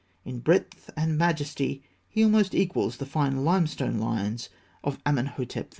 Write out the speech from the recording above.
In breadth and majesty he almost equals the fine limestone lions of Amenhotep III.